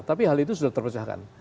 tapi hal itu sudah terpecahkan